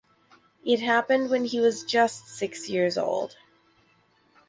It happened when he was just six years old.